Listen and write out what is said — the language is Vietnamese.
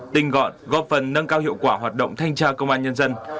tinh gọn góp phần nâng cao hiệu quả hoạt động thanh tra công an nhân dân